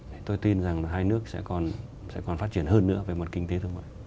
thì tôi tin rằng là hai nước sẽ còn phát triển hơn nữa về mặt kinh tế thương mại